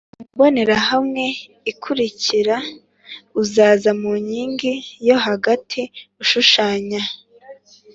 Mu mbonerahamwe ikurikira uzuza mu nkingi yo hagati ushushanya